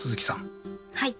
はい。